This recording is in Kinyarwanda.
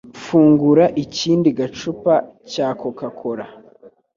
Fungura ikindi gacupa cya Coca-Cola.